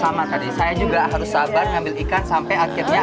sama tadi saya juga harus sabar ngambil ikan sampai akhirnya